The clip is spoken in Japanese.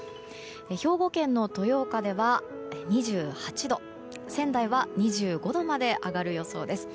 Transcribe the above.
兵庫県の豊岡では２８度仙台は２５度まで上がる予想です。